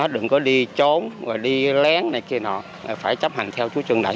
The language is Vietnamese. đừng có đi trốn đi lén này kia nọ phải chấp hành theo